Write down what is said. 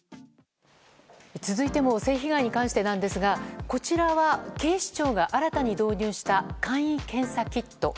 続いても性被害に関してなんですがこちらは警視庁が新たに導入した簡易検査キット。